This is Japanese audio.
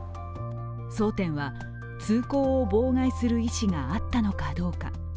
争点は、通行を妨害する意思があったのかどうか。